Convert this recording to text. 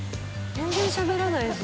全然しゃべらないし。